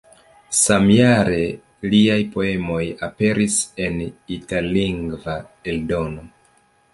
Samjare liaj poemoj aperis en itallingva eldono.